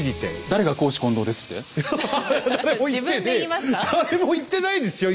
誰も言ってないですよ